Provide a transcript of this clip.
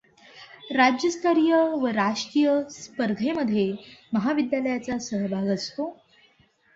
राज्यस्तरीय व राष्ट्रीय स्पर्धेमधे महविद्यालयाचा सहभाग असतो.